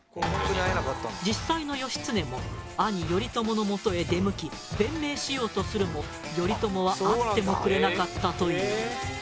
実際の義経も兄頼朝のもとへ出向き弁明しようとするも頼朝は会ってもくれなかったという。